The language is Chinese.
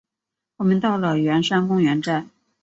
我们到了圆山公园站